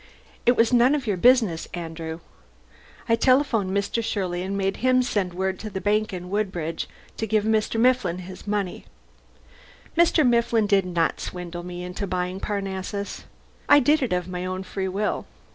It was none of your business, Andrew. I telephoned Mr. Shirley and made him send word to the bank in Woodbridge to give Mifflin the money. Mr. Mifflin did not swindle me into buying Parnassus. I did it of my own free will.